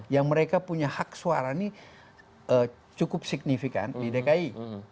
yang mereka punya hak suara ini cukup signifikan di dki